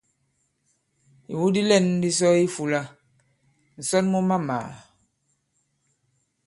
Ìwu di lɛ̂n di sɔ i ifūlā: ǹsɔn mu mamàà.